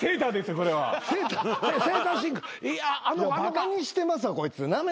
バカにしてますわこいつなめてます